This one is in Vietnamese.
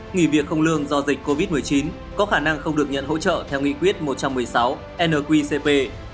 nghỉ việc không lương do dịch covid một mươi chín có khả năng không được nhận hỗ trợ theo nghị quyết một trăm một mươi sáu nqcp